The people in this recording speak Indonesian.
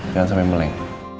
jangan sampe meleng